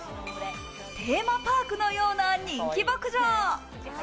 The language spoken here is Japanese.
テーマパークのような人気牧場。